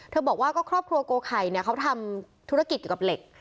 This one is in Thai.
เธอบอกว่าก็ครอบครัวโกไข่เนี่ยเขาทำธุรกิจอยู่กับเหล็ก